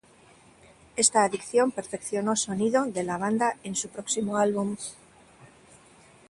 Esta adición perfeccionó sonido de la banda en su próximo álbum.